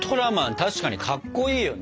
確かにかっこいいよね。